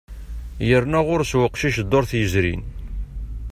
Yerna ɣur-s uqcic ddurt yezrin.